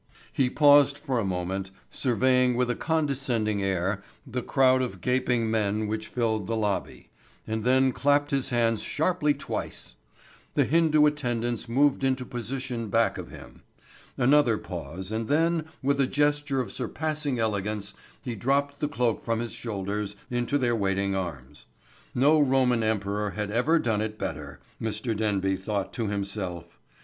He paused for a moment, surveying with a condescending air the crowd of gaping men which filled the lobby, and then clapped his hands sharply twice. The Hindu attendants moved into position back of him. Another pause and then, with a gesture of surpassing elegance he dropped the cloak from his shoulders into their waiting arms. No Roman emperor had ever done it better, Mr. Denby thought to himself.